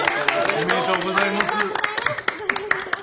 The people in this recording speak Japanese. おめでとうございます。